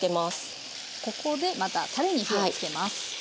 ここでまたたれに火をつけます。